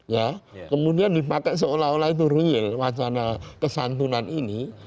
ya kemudian dipakai seolah olah itu real wacana kesantunan ini